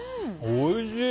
おいしい！